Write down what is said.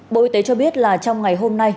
bộ y tế cho biết là trong ngày hôm nay